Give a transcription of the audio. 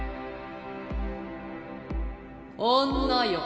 女よ。